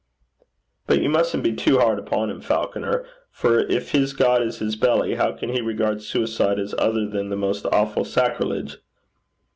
'But you mustn't be too hard upon him, Falconer; for if his God is his belly, how can he regard suicide as other than the most awful sacrilege?'